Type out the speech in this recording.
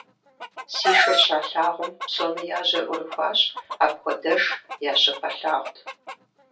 Си шыр щалъагъум, псоми я жьэр Ӏурыхуащ – апхуэдэш я щыпэлъагъут.